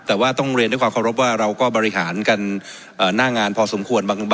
แต่ว่าต้องเรียนด้วยความเคารพว่าเราก็บริหารกันหน้างานพอสมควร